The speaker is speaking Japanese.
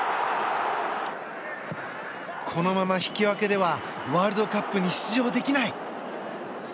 このまま引き分けではワールドカップに出場できない。